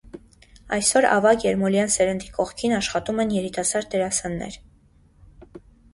Այսօր ավագ երմոլյան սերնդի կողքին աշխատում են երիտասարդ դերասաններ։